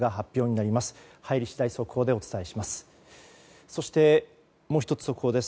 入り次第、速報でお伝えします。